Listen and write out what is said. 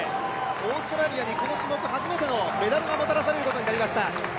オーストラリアにこの種目初めてのメダルがもたらされることになりました。